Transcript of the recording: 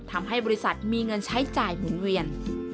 ทำให้บริษัทมีเงินใช้จ่ายหมุนเวียน